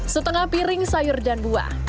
setengah piring sayur dan buah